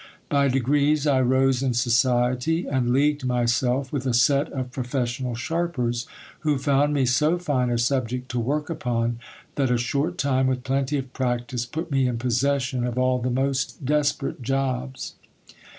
By degrees I rose in society and leagued myself with a set of professional sharpers, who found me so fine a subject to work upon, that a short time, with plenty of practice, put me in possession of all the most desperate jobs.